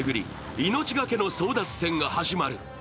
命懸けの争奪戦が始まる。